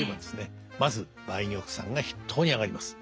まず梅玉さんが筆頭に挙がります。